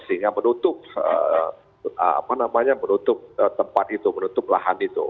sehingga menutup tempat itu menutup lahan itu